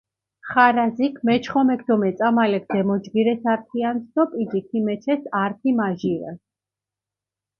ხარაზიქ, მეჩხომექ დო მეწამალექ დემოჯგირეს ართიანსჷ დო პიჯი ქიმეჩეს ართი-მაჟირას.